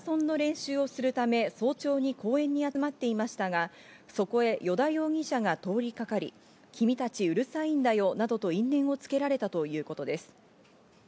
中学生３人はマラソンの練習をするため早朝に公園に集まっていましたが、そこへ依田容疑者が通りかかり、君たちうるさいんだよなどと因縁をつけられたということです。